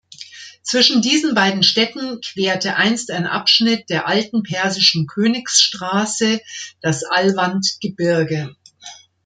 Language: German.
Zwischen diesen beiden Städten querte einst ein Abschnitt der alten persischen Königsstraße das Alvand-Gebirge.